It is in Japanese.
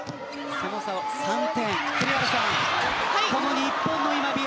その差は３点。